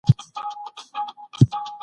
زموږ د ځوانانو د روزنې لپاره امکانات سته.